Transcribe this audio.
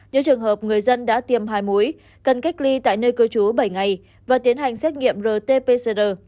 những trường hợp người dân đã tiêm hai mũi cần cách ly tại nơi cư trú bảy ngày và tiến hành xét nghiệm rt pcr